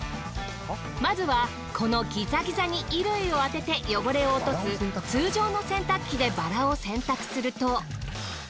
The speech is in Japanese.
まずはこのギザギザに衣類を当てて汚れを落とす通常の洗濯機でバラを洗濯すると。